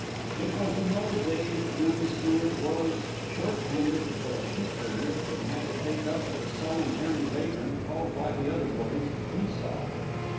It was in those days that young Stewart was short handed for a sheep herder, and had to take up with a sullen, hairy vagrant called by the other boys, "Esau."